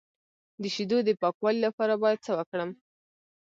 د شیدو د پاکوالي لپاره باید څه وکړم؟